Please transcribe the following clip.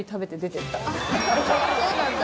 そうなんだ。